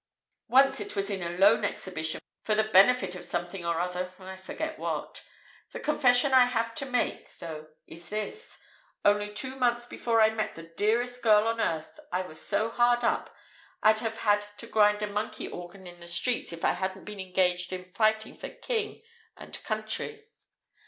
Once it was in a Loan Exhibition for the benefit of something or other, I forget what. The confession I have to make, though, is this: only two months before I met the dearest girl on earth I was so hard up I'd have had to grind a monkey organ in the streets if I hadn't been engaged in fighting for King and Country.